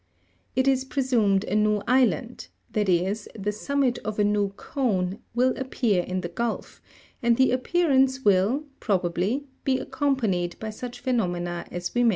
It is presumed a new island, that is, the summit of a new cone, will appear in the gulf, and the appearance will, probably, be accompanied by such phenomena as we mention.